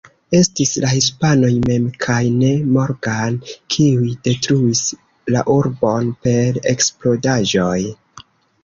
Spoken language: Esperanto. Estis la hispanoj mem kaj ne Morgan, kiuj detruis la urbon per eksplodaĵoj.